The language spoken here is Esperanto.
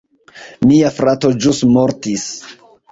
Mia frato ĵus mortis